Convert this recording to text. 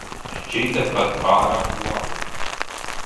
Šķita pat pārāk labi.